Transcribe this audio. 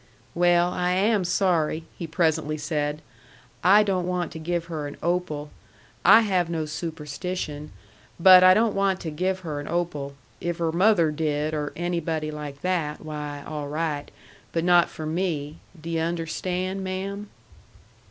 "Well, I am sorry," he presently said. "I don't want to give her an opal. I have no superstition, but I don't want to give her an opal. If her mother did, or anybody like that, why, all right. But not from me. D' yu' understand, ma'am?"